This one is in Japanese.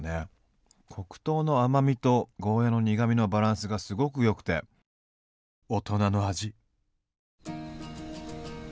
黒糖の甘みとゴーヤーの苦みのバランスがすごくよくて大人の味。